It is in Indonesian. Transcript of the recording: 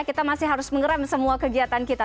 kita masih harus mengeram semua kegiatan kita